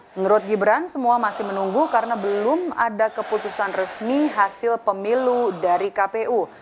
menurut gibran semua masih menunggu karena belum ada keputusan resmi hasil pemilu dari kpu